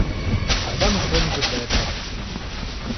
Когда мы что-нибудь для этого предпримем?